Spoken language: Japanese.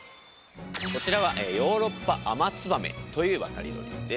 こちらはヨーロッパアマツバメという渡り鳥です。